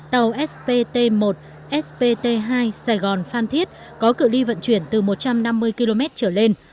tàu spt một spt hai sài gòn phan thiết có cự li vận chuyển từ một trăm năm mươi km trở lên